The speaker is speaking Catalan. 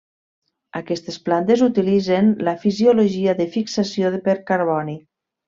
Aquestes plantes utilitzen la fisiologia de fixació per carboni.